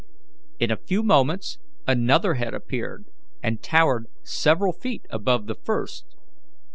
In a few moments another head appeared, and towered several feet above the first.